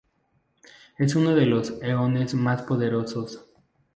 Es uno de los eones más poderosos.